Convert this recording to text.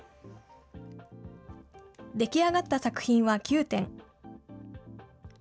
出来上がった作品は９点。